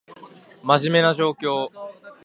真面目な状況